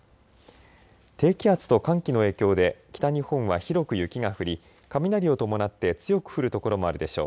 低気圧と寒気の影響で北日本は広く雪が降り雷を伴って強く降る所もあるでしょう。